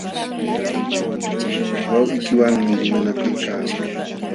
Wawqiykiwanmi limanakuykaa.